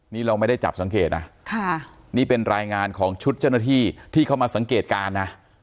นี่เราไม่ได้จับสังเกตนะค่ะนี่เป็นรายงานของชุดเจ้าหน้าที่ที่เข้ามาสังเกตการณ์นะ